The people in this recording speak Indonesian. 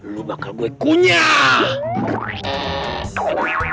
lu bakal gue kunyah